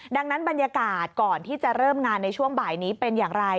ดังนั้นบรรยากาศก่อนที่จะเริ่มงานในช่วงบ่ายนี้เป็นอย่างไร